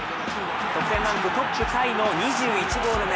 得点ランクトップタイの２１ゴール目。